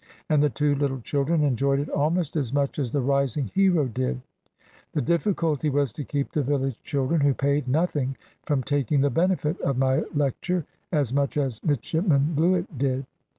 And the two little children enjoyed it almost as much as the rising hero did. The difficulty was to keep the village children, who paid nothing, from taking the benefit of my lecture as much as Midshipman Bluett did.